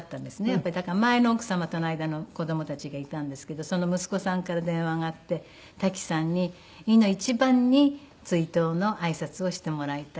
やっぱりだから前の奥様との間の子どもたちがいたんですけどその息子さんから電話があって「タキさんにいの一番に追悼のあいさつをしてもらいたい」って。